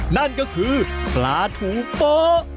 นั่นก็คือปลาถุงโป๊ะ